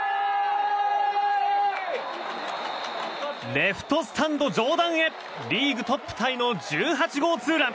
レフトスタンド上段へリーグトップタイの１８号ツーラン。